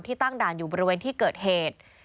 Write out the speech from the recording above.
ตั้งด่านอยู่บริเวณที่เกิดเหตุ